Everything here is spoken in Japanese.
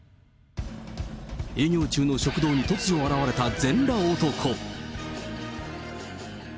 営業中の食堂に突如現れた全裸男。